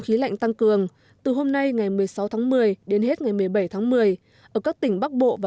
khí lạnh tăng cường từ hôm nay ngày một mươi sáu tháng một mươi đến hết ngày một mươi bảy tháng một mươi ở các tỉnh bắc bộ và